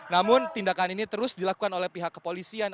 namun tindakan ini terus dilakukan oleh pihak kepolisian